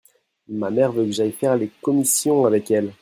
ma mère veut que j'aille faire les commissions avec elle.